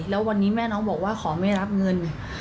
แล้ววันนี้แม่น้องบอกว่าขอไม่รับเงิน